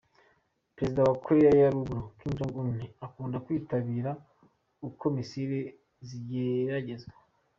Perezida wa Koreya ya Ruguru, Kim Jong-Un, akunda kwitabira uko missile zigeragezwa